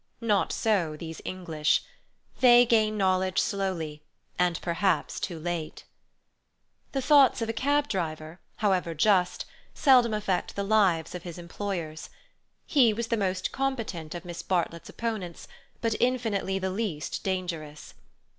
Not so these English. They gain knowledge slowly, and perhaps too late. The thoughts of a cab driver, however just, seldom affect the lives of his employers. He was the most competent of Miss Bartlett's opponents, but infinitely the least dangerous.